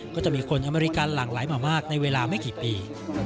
ก็จะมีคนอเมริกันหลั่งไหลมามากในเวลาไม่กี่ปี